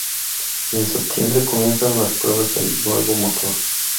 Y en septiembre comienzan las pruebas del nuevo motor.